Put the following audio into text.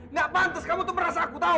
nggak pantas kamu tuh merasa aku tahu